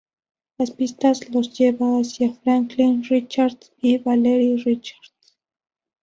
La pista los lleva hacia Franklin Richards y Valeria Richards.